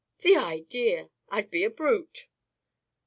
"The idea! I'd be a brute."